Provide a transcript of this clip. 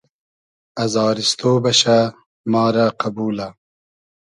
ازاریستۉ بئشۂ ما رۂ قئبولۂ